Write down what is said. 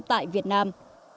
tại việt nam